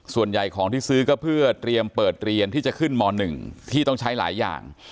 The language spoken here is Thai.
ส่วนใหญ่ของที่ซื้อก็เพื่อเตรียมเปิดเรียนที่จะขึ้นม๑ที่ต้องใช้หลายอย่าง